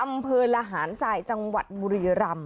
อำเภอละหารสายจังหวัดบุรีรำ